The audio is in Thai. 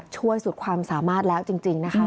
สุดความสามารถแล้วจริงนะคะ